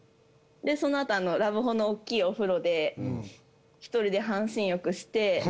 その後ラブホの大きいお風呂で１人で半身浴して。